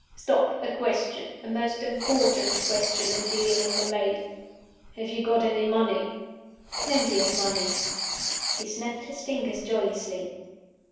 Stop! A question a most important question in dealing with the maid. Have you got any money?" "Plenty of money." He snapped his fingers joyously.